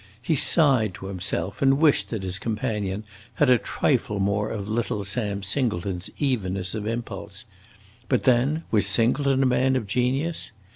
He sighed to himself, and wished that his companion had a trifle more of little Sam Singleton's evenness of impulse. But then, was Singleton a man of genius?